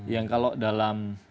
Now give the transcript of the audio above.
yang kalau dalam